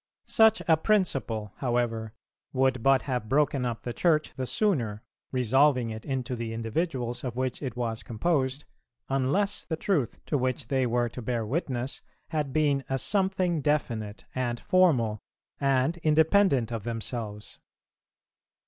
Such a principle, however, would but have broken up the Church the sooner, resolving it into the individuals of which it was composed, unless the Truth, to which they were to bear witness, had been a something definite, and formal, and independent of themselves.